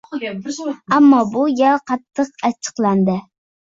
Ammo bu gal juda qattiq achchiqlandi.